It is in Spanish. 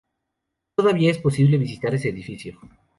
Todavía es posible visitar ese edificio.